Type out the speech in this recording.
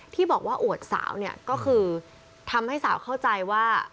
ที่บอกว่าอวดสาวเนี่ยก็คือทำให้สาวเข้าใจว่า